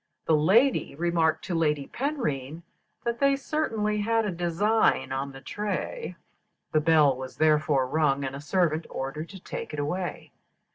The lady remarked to Lady Penrhyn that they certainly had a design on the tray. The bell was therefore rung, and a servant ordered to take it away.